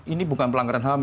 ini bukan pelanggaran ham